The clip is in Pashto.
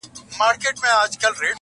ډېر مرغان سوه د جرګې مخي ته وړاندي؛